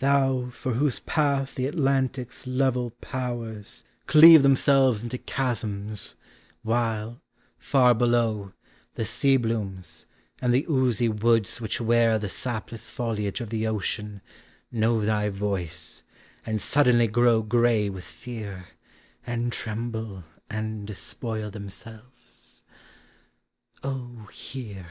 Thou For whose path the Atlantic's level powers V — 130 POEMS OF NATURE. Cleave themselves into chasms, while, far below, The sea blooms, and the oozy woods which wear The sapless foliage of the ocean, know Thy voice, and suddenly grow gray with fear, And tremble and despoil themselves : O hear !